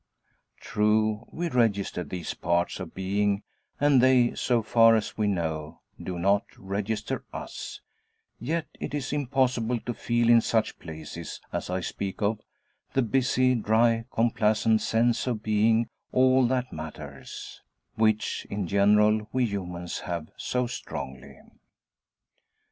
True, we register these parts of being, and they so far as we know do not register us; yet it is impossible to feel, in such places as I speak of, the busy, dry, complacent sense of being all that matters, which in general we humans have so strongly.